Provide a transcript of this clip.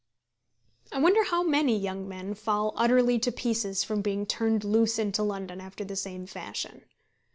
I wonder how many young men fall utterly to pieces from being turned loose into London after the same fashion.